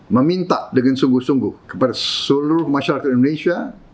meminta dengan sungguh sungguh kepada seluruh masyarakat indonesia